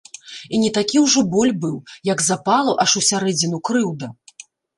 І не такі ўжо боль быў, як запала, аж усярэдзіну, крыўда.